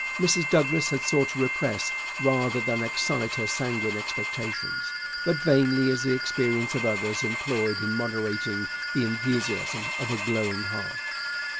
Mrs. Douglas had sought to repress, rather than excite, her sanguine expectations; but vainly is the experience of others employed in moderating the enthusiasm of a glowing heart.